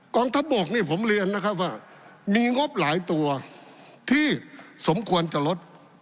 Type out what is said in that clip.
กองทัพบกนี่ผมเรียนนะครับว่ามีงบหลายตัวที่สมควรจะลด